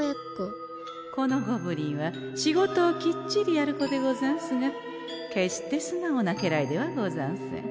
このゴブリンは仕事をきっちりやる子でござんすが決してすなおな家来ではござんせん。